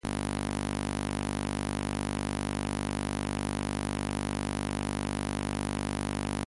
Jess y Rory se encuentran y hablan muy poco, solamente de sus relaciones amorosas.